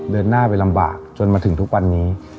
เดินหน้าไปลำบากจนมาถึงทุกวันนี้